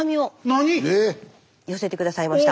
なに⁉え⁉寄せて下さいました。